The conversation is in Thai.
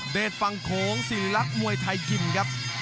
เดชฟังโขงศรีรักษ์มวยไทยกิมครับ